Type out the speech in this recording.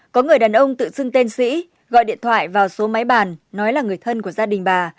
có người đàn ông tự xưng tên sĩ gọi điện thoại vào số máy bàn nói là người thân của gia đình bà